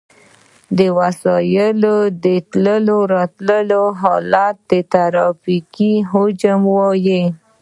د وسایطو د تلو راتلو حالت ته ترافیکي حجم وایي